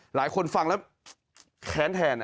หลายคนฟังแล้วแค้นแทน